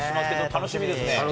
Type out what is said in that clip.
楽しみですね。